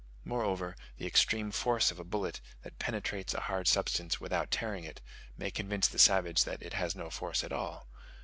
Moreover, the extreme force of a bullet, that penetrates a hard substance without tearing it, may convince the savage that it has no force at all.